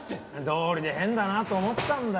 どうりで変だなと思ったんだよ。